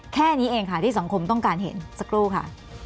แค่นี้เองค่ะที่สังคมต้องการเห็นสักครู่ค่ะ